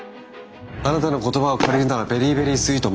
あなたの言葉を借りるならベリーベリースイート。